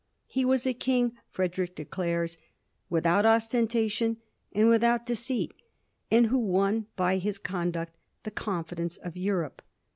He was a king, Frederick declares, * without ostentation and with out deceit,' and who won by his conduct the con fidence of Europe.